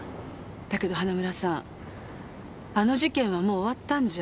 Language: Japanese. だけど花村さんあの事件はもう終わったんじゃ。